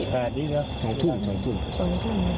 ตอนนี้เนี่ย๒ทุ่ม๒ทุ่ม